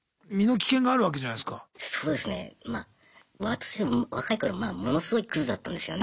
私若い頃ものすごいクズだったんですよね。